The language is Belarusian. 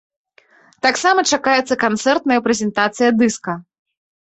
Таксама чакаецца канцэртная прэзентацыя дыска.